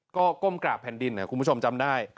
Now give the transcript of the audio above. ก็ก้มกราบแผ่นดินคุณผู้ชมจำได้